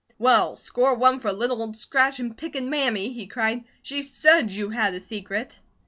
"Well, score one for little old scratchin', pickin', Mammy!" he cried. "She SAID you had a secret!"